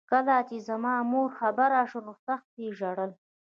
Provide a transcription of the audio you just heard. کله چې زما مور خبره شوه نو سخت یې ژړل